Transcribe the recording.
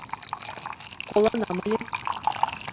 — Колынам ыле.